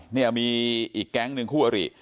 เนี่ยมีอีกแก๊งหนึ่งคู่อริ